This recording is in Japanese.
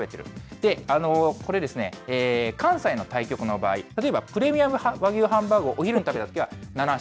で、これ、関西の対局の場合、例えば、プレミアム和牛ハンバーグをお昼に食べたときは７勝。